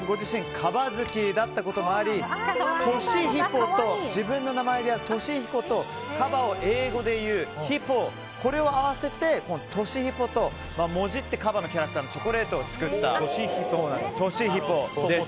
カバ好きだったということもあり自分の名前である俊彦と英語で言う、ヒポこれを合わせてトシヒポともじってカバのキャラクターのチョコレートを作ったそうです。